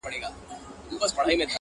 • نه شاهین به یې له سیوري برابر کړي,